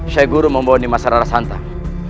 syekh guru membawani masyarakat rarasantak